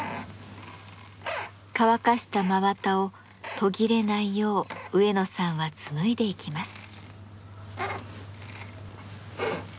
乾かした真綿を途切れないよう植野さんは紡いでいきます。